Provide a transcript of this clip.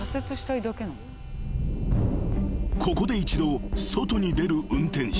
［ここで一度外に出る運転手］